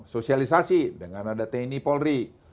sosialisasi dengan ada tni polri